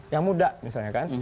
yang muda misalnya kan